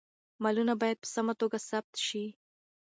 مالونه باید په سمه توګه ثبت شي.